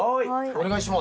お願いします。